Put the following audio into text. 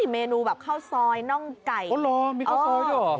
เมนูแบบข้าวซอยน่องไก่อ๋อเหรอมีข้าวซอยด้วยเหรอ